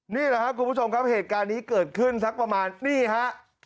นี่แหละครับคุณผู้ชมครับเหตุการณ์นี้เกิดขึ้นสักประมาณนี่ฮะ